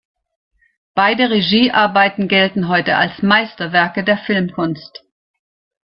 Beide Regiearbeiten gelten heute als Meisterwerke der Filmkunst.